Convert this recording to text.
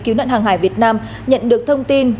cứu nạn hàng hải việt nam nhận được thông tin